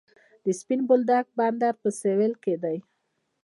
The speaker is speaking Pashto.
د سپین بولدک بندر په سویل کې دی